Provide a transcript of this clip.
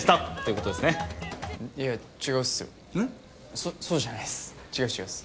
そそうじゃないっす。